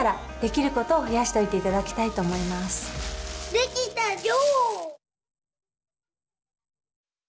できたよ！